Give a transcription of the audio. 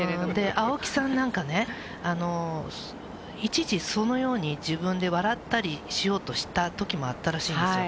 青木さんなんかね、一時、そのように自分で笑ったりしようとしたときもあったらしいんですよ。